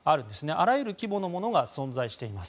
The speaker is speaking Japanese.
あらゆる規模のものが存在しています。